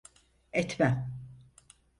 Etmem.